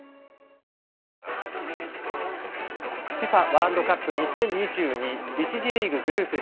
ＦＩＦＡワールドカップ２０２２１次リーグ、グループＢ